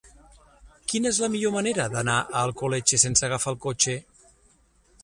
Quina és la millor manera d'anar a Alcoletge sense agafar el cotxe?